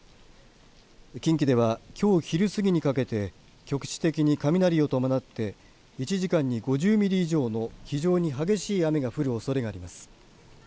近畿ではきょう昼すぎにかけて局地的に雷を伴って１時間に５０ミリ以上の非常に激しい雨が降るおそれがあります。